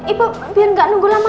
ibu biar gak nunggu lama lama